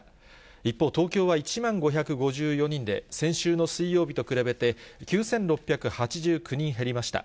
一方、東京は１万５５４人で、先週の水曜日と比べて、９６８９人減りました。